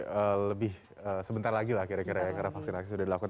menahan diri lebih sebentar lagi lah kira kira ya karena vaksinasi sudah dilakukan